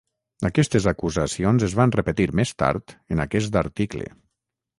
Aquestes acusacions es van repetir més tard en aquest article.